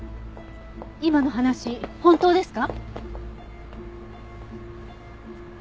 今の話本当ですか？